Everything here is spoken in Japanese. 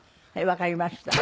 わかりました。